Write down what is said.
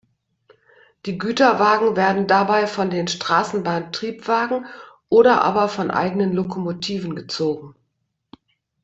Die Güterwagen werden dabei von den Straßenbahn-Triebwagen oder aber von eigenen Lokomotiven gezogen.